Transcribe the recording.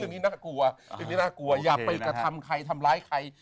อย่างนี้น่ากลัวอย่าไปกระทำขายทำร้ายใคร